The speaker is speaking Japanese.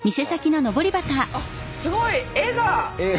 あっすごい絵が！